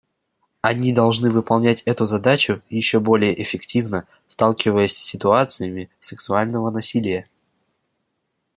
Они должны выполнять эту задачу еще более эффективно, сталкиваясь с ситуациями сексуального насилия.